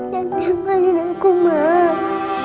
jangan tinggalin aku mas